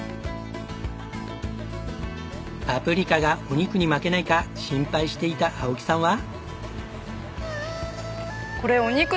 パプリカがお肉に負けないか心配していた青木さんは。